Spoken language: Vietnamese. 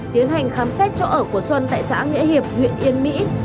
tiến hành khám xét chỗ ở của xuân tại xã nghĩa hiệp huyện yên mỹ